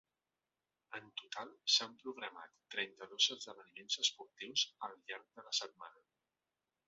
En total s’han programat trenta-dos esdeveniments esportius al llarg de la setmana.